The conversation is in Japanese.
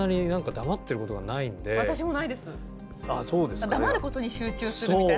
黙ることに集中するみたいな。